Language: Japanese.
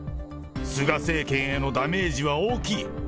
菅政権へのダメージは大きい。